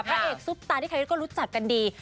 พระเอกซุปตาที่ใครก็รู้จักกันดี